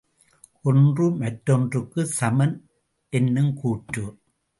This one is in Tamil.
ஒன்று மற்றொன்றுக்குச் சமன் என்னும் கூற்று.